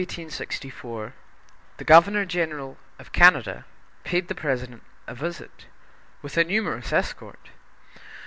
In the summer of 1864, the governor general of Canada paid the President a visit, with a numerous escort.